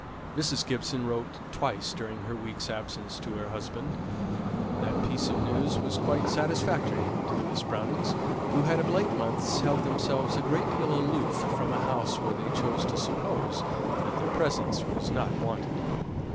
Mrs. Gibson wrote twice during her week's absence to her husband. That piece of news was quite satisfactory to the Miss Brownings, who had of late held themselves a great deal aloof from a house where they chose to suppose that their presence was not wanted.